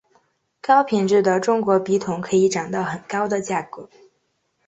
高品质的中国笔筒可以涨到很高的价格。